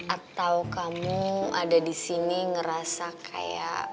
atau kamu ada di sini ngerasa kayak